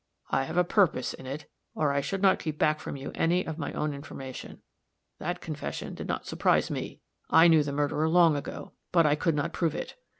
I have a purpose in it, or I should not keep back from you any of my own information. That confession did not surprise me; I knew the murderer long ago, but I could not prove it.